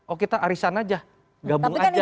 oh kita arisan aja gabung aja